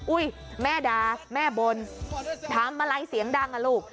อุ๊ยแม่ดาแม่บนทำมาไลฟ์เสียงดังล่ะลูก